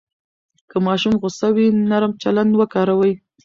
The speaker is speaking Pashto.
که ماشوم غوسه وي، نرم چلند وکاروئ.